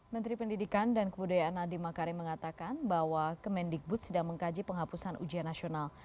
menteri pendidikan dan kebudayaan nadiem makarim mengatakan bahwa kemendikbud sedang mengkaji penghapusan ujian nasional